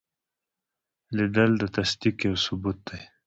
لیدل د تصدیق یو ثبوت دی